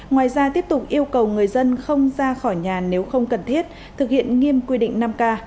ngoài ra tiếp tục yêu cầu người dân không ra khỏi nhà nếu không cần thiết thực hiện nghiêm quy định năm k